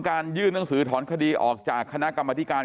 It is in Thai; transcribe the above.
ยื่นหนังสือถอนคดีออกจากคณะกรรมธิการ